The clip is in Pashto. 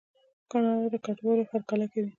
کاناډا د کډوالو هرکلی کوي.